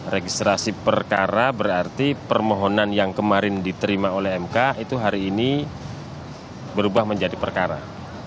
registrasi perkara berarti permohonan yang kemarin diterima oleh mk itu hari ini berubah menjadi perkara